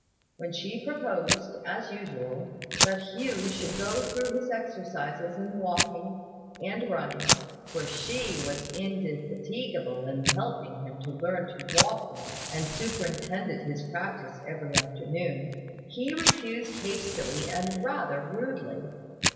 When she proposed, as usual, that Hugh should go through his exercises in walking and running (for she was indefatigable in helping him to learn to walk well, and superintended his practice every afternoon), he refused hastily and rather rudely.